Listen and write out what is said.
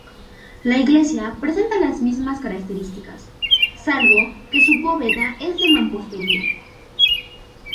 La iglesia presenta las mismas características, salvo que su bóveda es de mampostería.